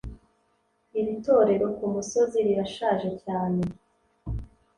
Iri torero kumusozi rirashaje cyane